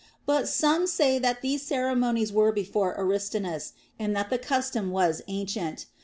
But some say that these ceremonies were before Aristinus, and that the custom was ancient.